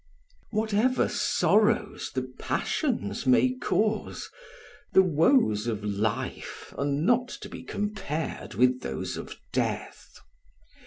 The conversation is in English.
Whatever sorrows the passions may cause, the woes of life are not to be compared with those of death.